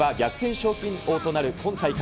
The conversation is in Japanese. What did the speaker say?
賞金王となる今大会。